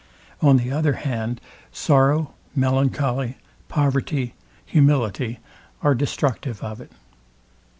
On the other hand, sorrow, melancholy, poverty, humility are destructive of it.